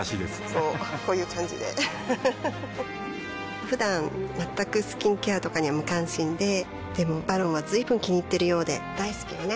こうこういう感じでうふふふだん全くスキンケアとかに無関心ででも「ＶＡＲＯＮ」は随分気にいっているようで大好きよね